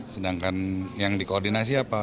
sedangkan yang dikoordinasi apa